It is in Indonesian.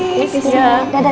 tante aku mau berbicara